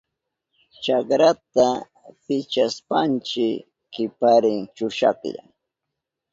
Chakrata pichashpanchi kiparin chushahlla.